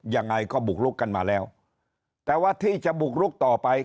ยังไงก็บุกลุกกันมาแล้วแต่ว่าที่จะบุกลุกต่อไป